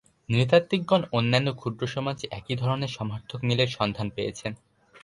নৃ-তাত্ত্বিকগণ অন্যান্য ক্ষুদ্র সমাজে একই ধরনের সমার্থক মিলের সন্ধান পেয়েছেন।